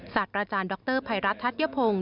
ศาสตราจารย์ดรภัยรัฐทัศยพงศ์